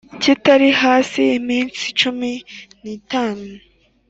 Kitari hasi y iminsi cumi n itanu